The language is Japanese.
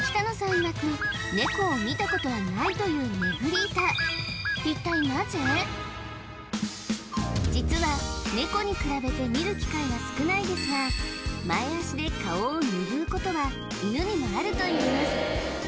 いわくネコを見たことはないというＮｅｇｒｉｔａ実はネコに比べて見る機会は少ないですが前脚で顔をぬぐうことは犬にもあるといいます